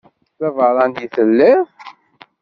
D abeṛṛani i telliḍ?